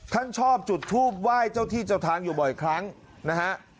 ท่านชอบจุดทูบไหว้เจ้าที่เจ้าทางอยู่บ่อยครั้งนะฮะ